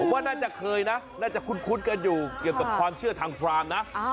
ว่าน่าจะเคยนะน่าจะคุ้นกันอยู่เกี่ยวกับความเชื่อทางพรามนะ